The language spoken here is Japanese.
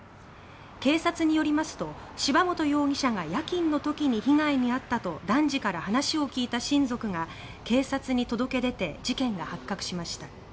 警察によりますと、柴本容疑者が夜勤の時に被害に遭ったと男児から話を聞いた親族が警察に届け出て事件が発覚しました。